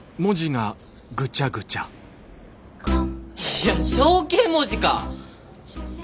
いや象形文字か！